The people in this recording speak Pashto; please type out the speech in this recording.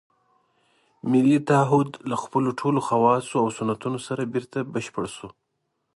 ملي تعهُد له خپلو ټولو خواصو او سنتونو سره بېرته بشپړ شوی.